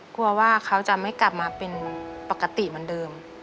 กลัวว่าเขาจะไม่กลับมาเป็นปกติเหมือนเดิม